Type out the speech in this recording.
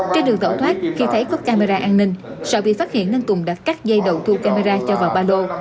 trên đường tẩu thoát khi thấy có camera an ninh sợ bị phát hiện nên tùng đã cắt dây đầu thu camera cho vào ba đô